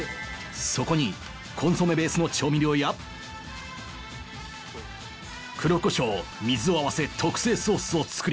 そこにコンソメベースの調味料や黒こしょう水を合わせ特製ソースを作り